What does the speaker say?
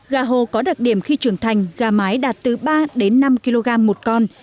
gà hồ có đặc điểm khi trưởng thành gà mái đạt từ ba đến năm kg một con